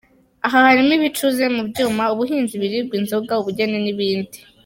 Aha harimo ibicuze mu byuma, ubuhinzi, ibiribwa, inzoga, ubugeni n’ibindi.